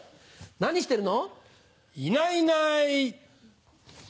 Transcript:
何してるの？